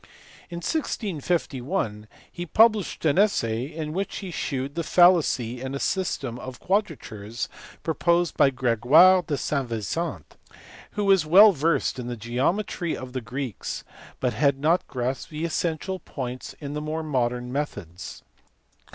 In 1651 he published an essay in which he shewed the fallacy in a system of quadratures proposed by Gregoire de Saint Vincent (see below, p. 309) who was well versed in the geo metry of the Greeks but had not grasped the essential points in the more modern methods.